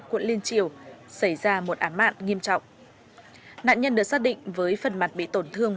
quận liên triều xảy ra một án mạng nghiêm trọng nạn nhân được xác định với phần mặt bị tổn thương